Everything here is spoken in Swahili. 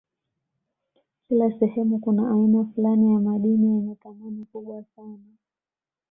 Kila sehemu kuna aina fulani ya madini yenye thamani kubwa sana